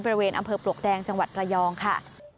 บริเวณอำเภอปลวกแดงจังหวัดระยองค่ะ